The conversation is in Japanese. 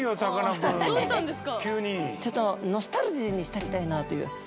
ちょっとノスタルジーに浸りたいなあという。